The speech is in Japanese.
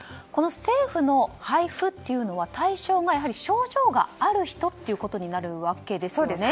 政府の配布というのは対象がやはり症状がある人となるわけですよね。